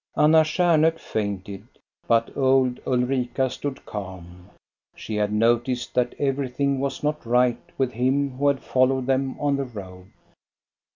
Anna Stjarnhok fainted, but old Ulrika stood calm. She . had noticed that everything was not right with him who had followed them on the road.